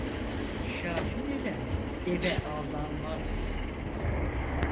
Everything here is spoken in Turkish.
Şahin ile deve avlanmaz.